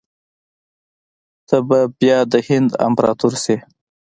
ته به بیا د هند امپراطور سې.